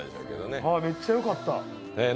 めっちゃよかった。